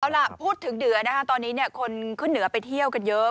เอาล่ะพูดถึงเหนือนะคะตอนนี้คนขึ้นเหนือไปเที่ยวกันเยอะ